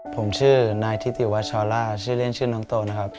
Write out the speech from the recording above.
ผมชื่อนายทิติวัชอล่าชื่อเล่นชื่อน้องโตนะครับ